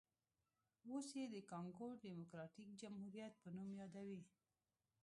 اوس یې د کانګو ډیموکراټیک جمهوریت په نوم یادوي.